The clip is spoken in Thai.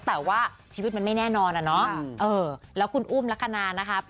แต่ว่าชีวิตมันไม่แน่นอนอะเนาะแล้วคุณอุ้มลักษณะนะคะ